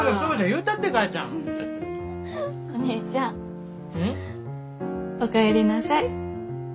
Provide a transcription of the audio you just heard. うん？お帰りなさい。